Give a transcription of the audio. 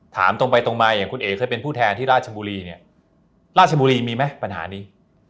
ถามตรงไปตรงมาอย่างคุณเอ๋เคยเป็นผู้แทนที่ราชบุรีเนี่ยราชบุรีมีไหมปัญหานี้